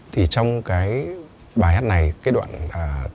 thì trong cái bài hát này cái đoạn là